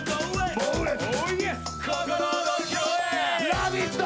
「ラヴィット！」